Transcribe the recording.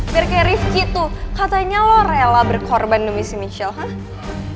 biar kayak rifqi tuh katanya lo rela berkorban demi si michelle hah